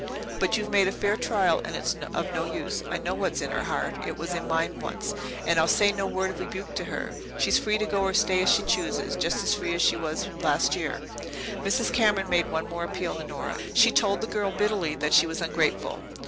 But you've made a fair trial and it's of no use. I know what's in her heart it was in mine once and I'll say no word of rebuke to her. She's free to go or stay as she chooses just as free as she was last year." Mrs. Cameron made one more appeal to Nora. She told the girl bitterly that she was ungrateful.